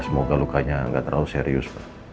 semoga lukanya nggak terlalu serius